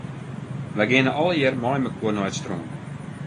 Wy geane allegear meimekoar nei it strân.